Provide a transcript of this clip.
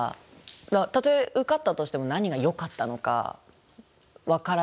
たとえ受かったとしても何がよかったのか分からないんですよね。